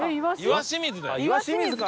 岩清水か！